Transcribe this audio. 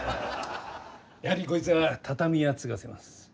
やはりこいつは畳屋継がせます。